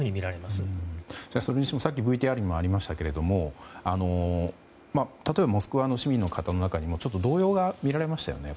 しかし、それにしてもさっきのＶＴＲにもありましたが例えばモスクワの市民の方の中にも動揺が見られましたよね。